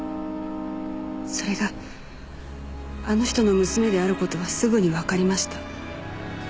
それがあの人の娘である事はすぐにわかりました。